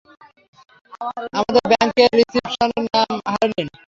আমাদের ব্যাংকের রিসিপশনিস্টের নাম হারলিন।